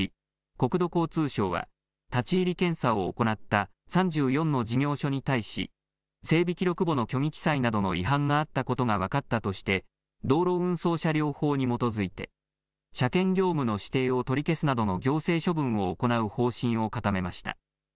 国土交通省は立ち入り検査を行った３４の事業所に対し整備記録簿の虚偽記載などの違反があったことが分かったとして道路運送車両法に基づいて車検業務の指定を取り消すなどの行政処分を行う方針を固めました。